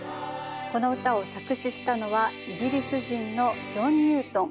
この歌を作詞したのはイギリス人のジョン・ニュートン。